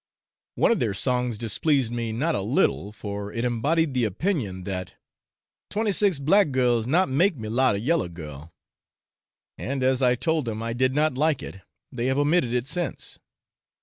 One of their songs displeased me not a little, for it embodied the opinion that 'twenty six black girls not make mulatto yellow girl;' and as I told them I did not like it, they have omitted it since.